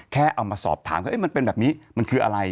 แค่เอามาสอบถามมันเป็นแบบนี้มันคืออะไร